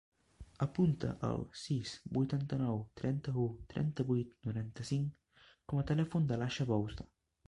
Apunta el sis, vuitanta-nou, trenta-u, trenta-vuit, noranta-cinc com a telèfon de l'Aixa Bouza.